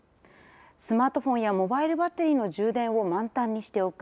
スマートフォンやモバイルバッテリーの充電を満たんにしておく。